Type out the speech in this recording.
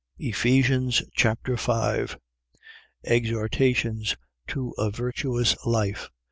Ephesians Chapter 5 Exhortations to a virtuous life.